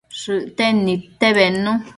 Shëcten nidte bednu